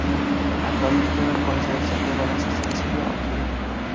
Actualmente juega con la selección de baloncesto de Serbia absoluta.